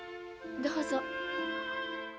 どうぞ。